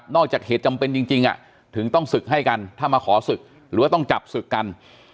จากเหตุจำเป็นจริงถึงต้องศึกให้กันถ้ามาขอศึกหรือว่าต้องจับศึกกัน